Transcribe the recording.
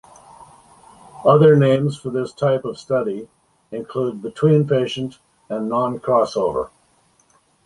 Other names for this type of study include "between patient" and "non-crossover".